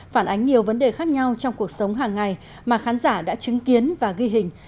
phản ánh nhiều vấn đề khác nhau trong cuộc sống hàng ngày mà khán giả đã chứng kiến và ghi hình